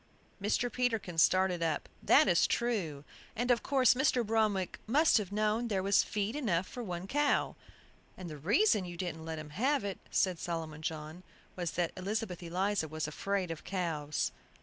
Mr. Peterkin started up. "That is true; and of course Mr. Bromwick must have known there was feed enough for one cow." "And the reason you didn't let him have it," said Solomon John, "was that Elizabeth Eliza was afraid of cows."